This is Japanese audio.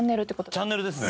チャンネルですね。